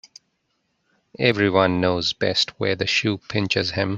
Every one knows best where the shoe pinches him